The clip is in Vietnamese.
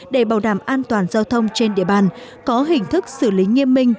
để bảo đảm an toàn giao thông trên địa bàn có hình thức xử lý nghiêm minh